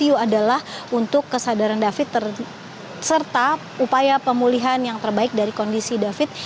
review adalah untuk kesadaran david serta upaya pemulihan yang terbaik dari kondisi david